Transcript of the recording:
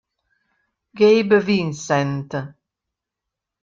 Gabe Vincent